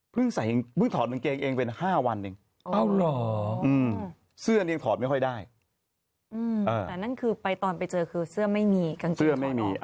พึ่งถอดกางเกงเองประมาณ๕วัน